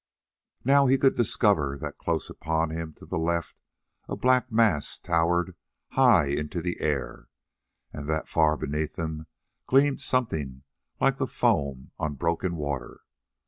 Now he could discover that close upon him to the left a black mass towered high into the air, and that far beneath him gleamed something like the foam on broken water.